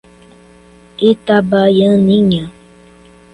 Itabaianinha